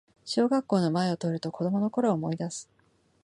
小学校の前を通ると子供のころを思いだす